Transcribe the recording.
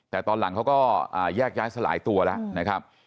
แต่ตอนหลังเขาก็แยกย้ายสลายตัวแล้วนะครับ